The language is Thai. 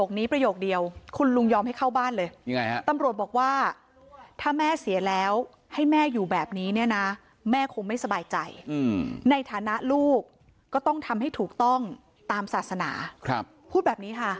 เขาว่าเป็นหนูตาย